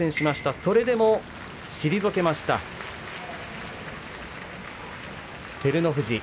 それでも退けた照ノ富士。